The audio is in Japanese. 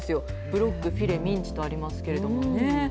ブロック、フィレ、ミンチとありますけれどもね。